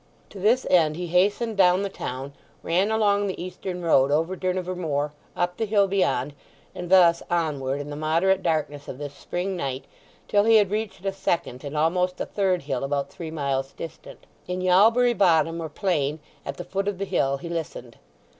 To this end he hastened down the town, ran along the eastern road over Durnover Moor, up the hill beyond, and thus onward in the moderate darkness of this spring night till he had reached a second and almost a third hill about three miles distant. In Yalbury Bottom, or Plain, at the foot of the hill, he listened.